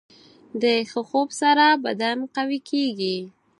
د ښه خوب سره بدن قوي کېږي.